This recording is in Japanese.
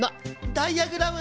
ダイヤグラム。